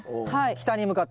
北に向かって。